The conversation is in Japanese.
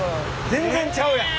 全然ちゃうやん。